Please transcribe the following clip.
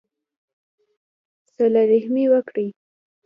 صلہ رحمي وکړئ